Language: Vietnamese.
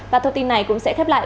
và thông tin này cũng sẽ khép lại